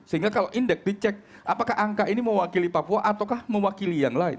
sehingga kalau indeks dicek apakah angka ini mewakili papua ataukah mewakili yang lain